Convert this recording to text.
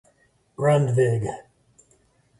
Grundtvig.